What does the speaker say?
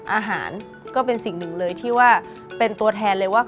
อาหารก็เป็นสิ่งหนึ่งเลยที่ว่าเป็นตัวแทนเลยว่า